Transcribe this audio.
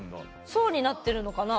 層になってるのかな